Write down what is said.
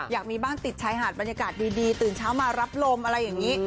อยากมีบ้านติดชายหาดบรรยากาศดีตื่นเช้ามารับลมอะไรอย่างนี้